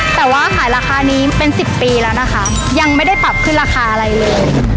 แต่ว่าขายราคานี้เป็น๑๐ปีแล้วนะคะยังไม่ได้ปรับขึ้นราคาอะไรเลย